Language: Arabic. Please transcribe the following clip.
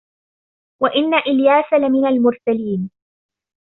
وإن إلياس لمن المرسلين